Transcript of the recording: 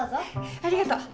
ありがとう。